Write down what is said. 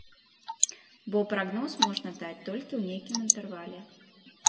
Бо прагноз можна даць толькі ў нейкім інтэрвале.